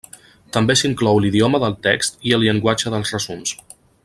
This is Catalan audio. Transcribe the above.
També s'inclou l'idioma del text i el llenguatge dels resums.